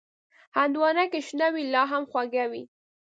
هندوانه که شنه وي، لا هم خوږه وي.